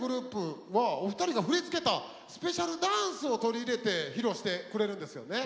ｇｒｏｕｐはお二人が振り付けたスペシャルダンスを取り入れて披露してくれるんですよね？